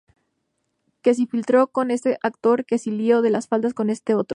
Que si flirteo con este actor, que si lío de faldas con este otro.